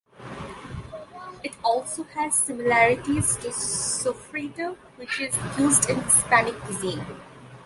It also has similarities to sofrito which is used in Hispanic cuisine.